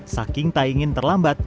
saking tak ingin terlambat